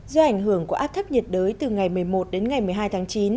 do ảnh hưởng của áp thấp nhiệt đới từ ngày một mươi một đến ngày một mươi hai tháng chín